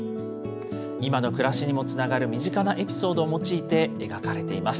今の暮らしにもつながる身近なエピソードを用いて描かれています。